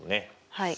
はい。